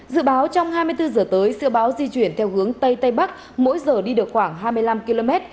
dự báo trong hai mươi bốn h tới siêu bão di chuyển theo hướng tây tây bắc mỗi giờ đi được khoảng hai mươi năm km